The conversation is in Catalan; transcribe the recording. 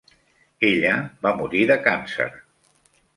Ella va morir de càncer.